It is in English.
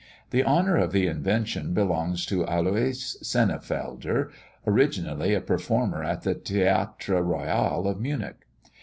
The honour of the invention belongs to Alois Sennefelder, originally a performer at the Theatre Royal of Munich.